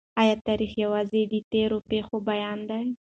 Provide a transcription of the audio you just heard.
آیا تاریخ یوازي د تېرو پېښو بیان دی؟